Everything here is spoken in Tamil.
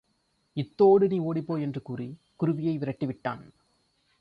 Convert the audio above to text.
இத்தோடு நீ ஒடிப்போ என்று கூறி, குருவியை விரட்டிவிட்டான்.